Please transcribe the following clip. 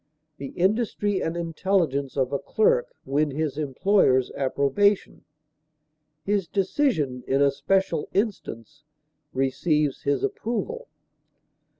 The industry and intelligence of a clerk win his employer's approbation; his decision in a special instance receives his approval.